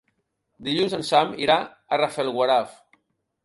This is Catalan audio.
Dilluns en Sam irà a Rafelguaraf.